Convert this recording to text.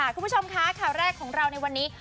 คุณผู้ชมคะข่าวแรกของเราในวันนี้